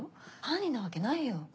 犯人なわけないよ。